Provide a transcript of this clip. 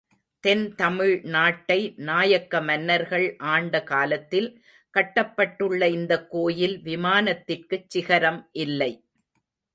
தென் தமிழ் நாட்டை நாயக்க மன்னர்கள் ஆண்ட காலத்தில், கட்டப்பட்டுள்ள இந்தக் கோயில் விமானத்திற்குச் சிகரம் இல்லை.